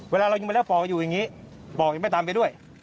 เวลาเรายิงไปแล้วปอกอยู่อย่างนี้ปอกยังไม่ตามไปด้วย